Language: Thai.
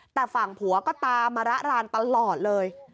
แต่ฝั่งผัวก็ตามมาระรานตลอดเลย